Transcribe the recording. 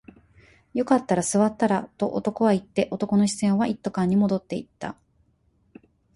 よかったら座ったらと男は言って、男の視線は一斗缶に戻っていた